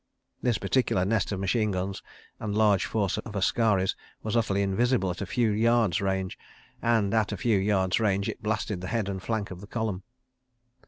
This particular nest of machine guns and large force of askaris was utterly invisible at a few yards' range, and, at a few yards' range, it blasted the head and flank of the column.